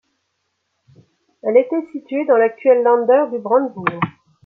Elle était située, dans l’actuel Länder du Brandebourg.